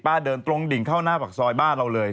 เดินตรงดิ่งเข้าหน้าปากซอยบ้านเราเลย